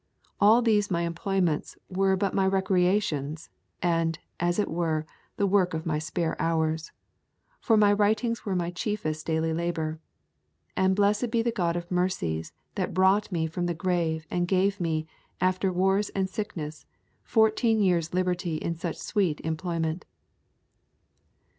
'All these my employments were but my recreations, and, as it were, the work of my spare hours. For my writings were my chiefest daily labour. And blessed be the God of mercies that brought me from the grave and gave me, after wars and sickness, fourteen years' liberty in such sweet employment!'